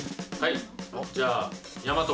はいじゃあ弥